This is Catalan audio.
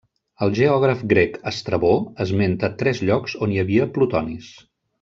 El geògraf grec Estrabó esmenta tres llocs on hi havia plutonis.